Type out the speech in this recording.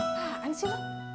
apaan sih lu